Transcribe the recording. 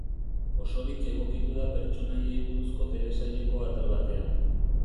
Osorik egokitu da pertsonaiei buruzko telesaileko atal batean.